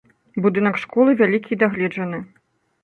Будынак школы вялікі і дагледжаны.